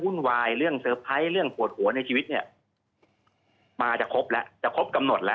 วุ่นวายเรื่องเรื่องโหดหัวในชีวิตเนี้ยมาจะครบแล้วจะครบกำหนดแล้ว